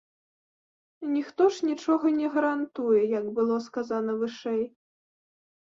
Ніхто ж нічога не гарантуе, як было сказана вышэй.